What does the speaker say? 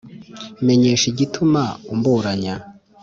menyesha igituma umburanya’